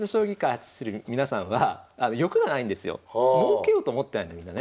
もうけようと思ってないんだみんなね。